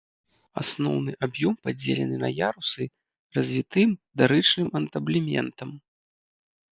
Асноўны аб'ём падзелены на ярусы развітым дарычным антаблементам.